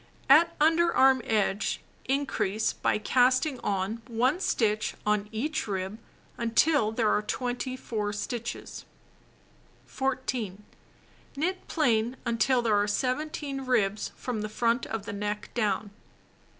At under arm edge increase by casting on 1 stitch on each rib until there are 24 stitches. 14. Knit plain until there are 17 ribs from the front of the neck down.